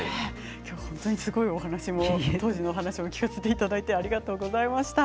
今日、本当にすごいお話を当時のお話を聞かせていただいてありがとうございました。